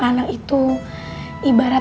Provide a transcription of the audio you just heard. imbajinasi mereka itu tidak akan berjalan